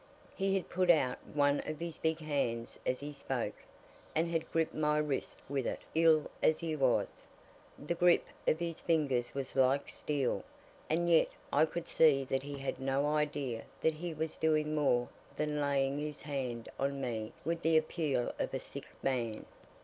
He had put out one of his big hands as he spoke, and had gripped my wrist with it ill as he was, the grip of his fingers was like steel, and yet I could see that he had no idea that he was doing more than laying his hand on me with the appeal of a sick man.